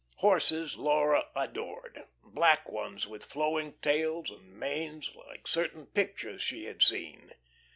Horses Laura adored black ones with flowing tails and manes, like certain pictures she had seen.